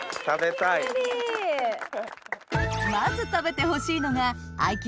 まず食べてほしいのが愛樹